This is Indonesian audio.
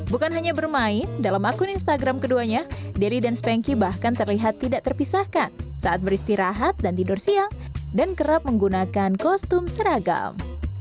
bukan hanya bermain dalam akun instagram keduanya dery dan spanky bahkan terlihat tidak terpisahkan saat beristirahat dan tidur siang dan kerap menggunakan kostum seragam